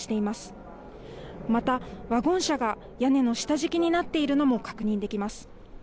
またワゴン車が屋根の下敷きになっているのも確認できます。